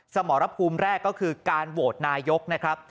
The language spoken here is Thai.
สมรภูมิแรกก็คือการโหวตนายกนะครับ